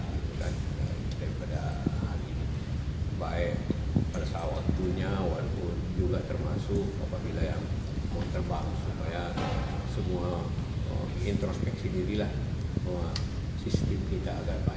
kepada kecelakaan di serdekat karawang mudah mudahan ini memberikan tidak semua dorongan agar baik perusahaan juga regulator atau pengawasan ini lebih ketat lagi menjaga sistem kita